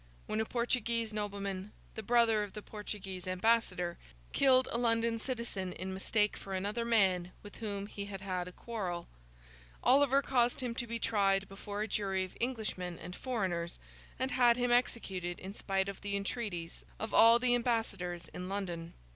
When a Portuguese nobleman, the brother of the Portuguese ambassador, killed a London citizen in mistake for another man with whom he had had a quarrel, Oliver caused him to be tried before a jury of Englishmen and foreigners, and had him executed in spite of the entreaties of all the ambassadors in London.